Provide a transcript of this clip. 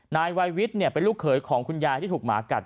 นายวัยวิทย์เป็นลูกเขยของคุณยายที่ถูกหมากัด